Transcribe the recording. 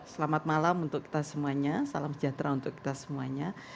selamat malam untuk kita semuanya